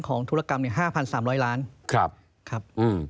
ครับ